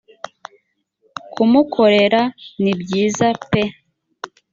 kumukorera ni byiza pe